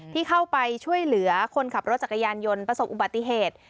ที่เข้าไปช่วยเหลือคนขับรถจักรยานยนต์ประสบอุบัติเหตุ